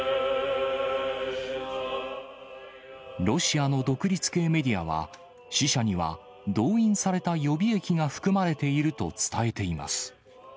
ロシアの独立系メディアは、死者には動員された予備役が含まれていると伝えています。